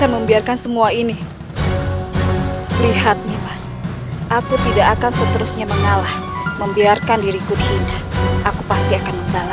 seperti itu siapa yang adalah orangnya kathryn